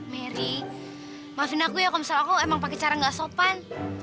meri maafin aku ya kalau misal aku emang pakai cara nggak sopan